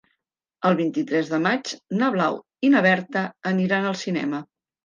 El vint-i-tres de maig na Blau i na Berta aniran al cinema.